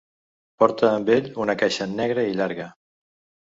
Porta amb ell una caixa negra i llarga.